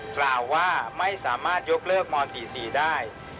กล่าวว่าไม่สามารถยกเลิกม๔๔ได้